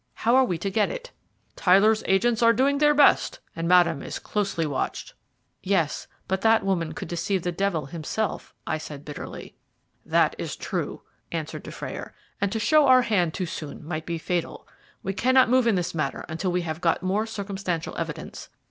How are we to get it?" "Tyler's agents are doing their best, and Madame is closely watched." "Yes, but that woman could deceive the devil himself," I said bitterly. "That is true," answered Dufrayer, "and to show our hand too soon might be fatal. We cannot move in this matter until we have got more circumstantial evidence.